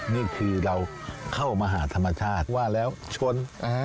นี่คือเราเข้ามาหาธรรมชาติว่าแล้วชน